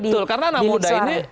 betul karena anak muda ini